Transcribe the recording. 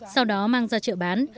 sau đó mang ra chợ bán